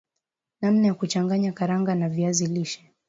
namna ya kuchanganya karanga na viazi lishe